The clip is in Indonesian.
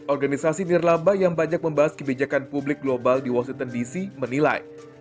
organisasi nirlaba yang banyak membahas kebijakan publik global di washington dc menilai